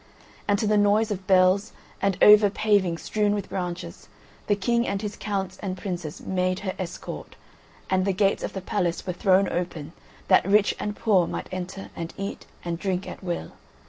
And to the noise of bells, and over pavings strewn with branches, the King and his counts and princes made her escort, and the gates of the palace were thrown open that rich and poor might enter and eat and drink at will.